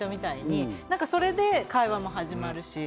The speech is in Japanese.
それで会話も始まるし。